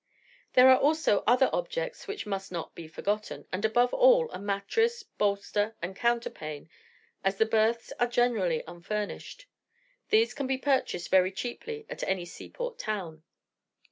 There are also other objects which must not be forgotten, and above all a mattress, bolster, and counterpane, as the berths are generally unfurnished. These can be purchased very cheaply in any seaport town.